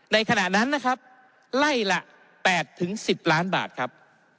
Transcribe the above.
ในขณะนั้นนะครับไล่ละแปดถึงสิบล้านบาทครับ